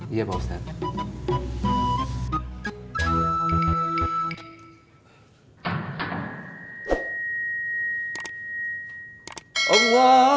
iya pak ustadz